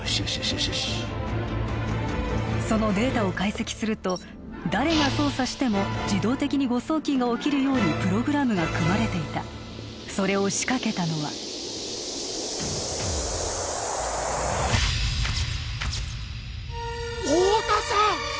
よしよしそのデータを解析すると誰が操作しても自動的に誤送金が起きるようにプログラムが組まれていたそれを仕掛けたのは太田さん！